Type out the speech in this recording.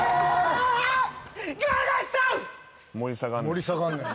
盛り下がんのよ。